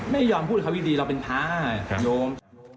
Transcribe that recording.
ไม่ยอมพูดเขาดีเราเป็นพระโยม